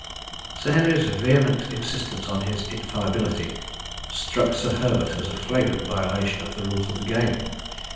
Sir Henry's vehement insistence on his infallibility struck Sir Herbert as a flagrant violation of the rules of the game.